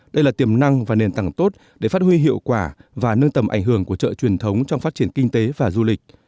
đây là tiềm năng và nền tảng tốt để phát huy hiệu quả và nâng tầm ảnh hưởng của chợ truyền thống trong phát triển kinh tế và du lịch